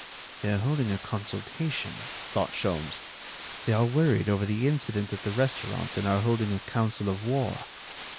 "They are holding a consultation," thought Sholmes. "They are worried over the incident at the restaurant and are holding a council of war.